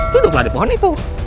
duduklah di pohon itu